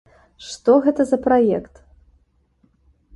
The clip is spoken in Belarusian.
Што гэта за праект?